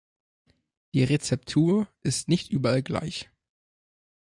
Die Rezeptur ist nicht überall gleich.